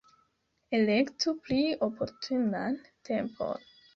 Elektu pli oportunan tempon.